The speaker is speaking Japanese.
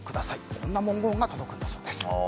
こんな文言が届くそうです。